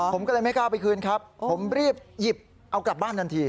ผมก็เลยไม่กล้าไปคืนครับผมรีบหยิบเอากลับบ้านทันที